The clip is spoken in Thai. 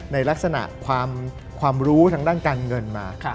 ในลักษณะความรู้ทางด้านการเงินมา